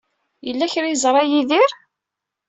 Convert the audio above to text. Yella kra ay yeẓra Yidir?